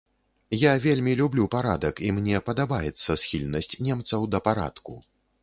Я вельмі люблю парадак і мне падабаецца схільнасць немцаў да парадку.